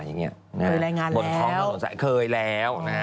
เคยรายงานแล้วมันเยอะกว่าเคยแล้ว